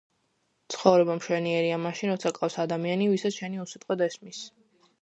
ცხობრება მშვენიერია მაშინ, როცა გყავს ადამიანი, ვისაც შენი უსიტყვოდ ესმის